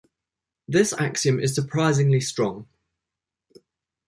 This axiom is surprisingly strong.